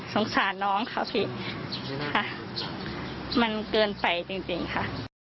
สงสารน้องค่ะพี่ค่ะมันเกินไปจริงค่ะ